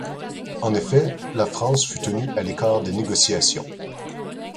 En effet, la France fut tenue à l'écart des négociations.